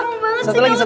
ih strong banget sih